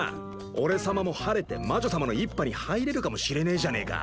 俺様も晴れて魔女様の一派に入れるかもしれねえじゃねえか。